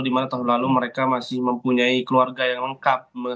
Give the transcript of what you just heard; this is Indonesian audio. di mana tahun lalu mereka masih mempunyai keluarga yang lengkap